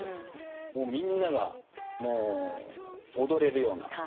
みんなが踊れるような。